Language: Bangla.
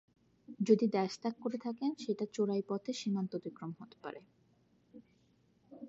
যদি দেশত্যাগ করে থাকেন, সেটা চোরাই পথে সীমান্ত অতিক্রম হতে পারে।